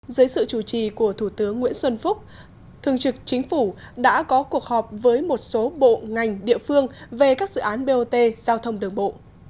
dưới sự chủ trì của thủ tướng nguyễn xuân phúc thường trực chính phủ đã có cuộc họp với một số bộ ngành địa phương về các dự án bot giao thông đường bộ